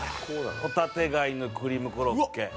帆立貝のクリームコロッケ。